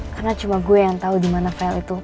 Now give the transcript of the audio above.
karena cuma gue yang tau di mana file itu